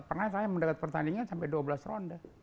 pernah saya mendekat pertandingan sampai dua belas ronde